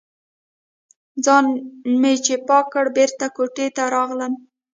ځان مې چې پاک کړ، بېرته کوټې ته راغلم.